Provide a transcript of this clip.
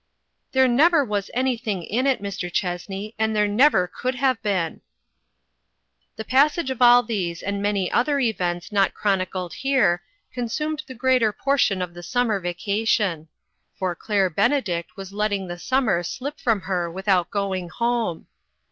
" There never was anything in it, Mr. Chessney, and there never could have been." The passage of all these and many other events not chronicled here, consumed the greater portion of the summer vacation. THE SUMMER S STORY. 419 For Claire Benedict was letting the summer slip from her without going home.